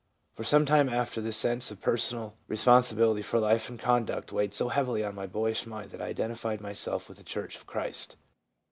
For some time after, the sense of personal responsibility for life and conduct weighed so heavily on my boyish mind that I identified myself with the church of Christ.'